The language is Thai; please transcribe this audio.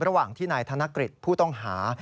ระหว่างที่นายธนกฤษผู้ต้องหา